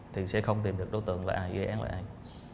thì sẽ không tìm được đối tượng là ai gây án là ai